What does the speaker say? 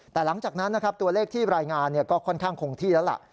แต่หลังจากนั้นนะครับตัวเลขที่รายงานก็ค่อนข้างคงที่แล้วล่ะ